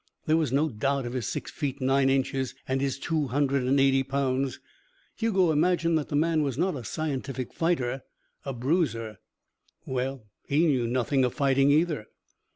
There was no doubt of his six feet nine inches and his two hundred and eighty pounds. Hugo imagined that the man was not a scientific fighter. A bruiser. Well, he knew nothing of fighting, either.